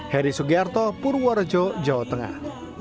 heri sugiarto purworejo jawa tengah